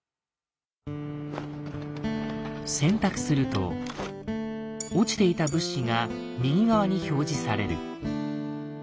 選択すると落ちていた物資が右側に表示される。